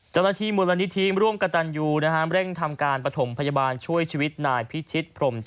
จรฆาที่ม